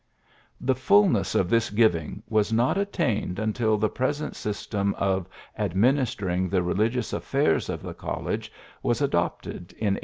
The fulness of this giving was not at tained until the present system of ad ministering the religious aflfaii*s of the college was adopted in 1886.